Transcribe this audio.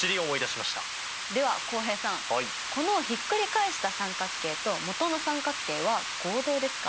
では浩平さんこのひっくり返した三角形と元の三角形は合同ですか？